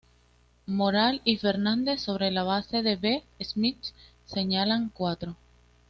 Moral y Fernández sobre la base de B. Schmitt señalan cuatro.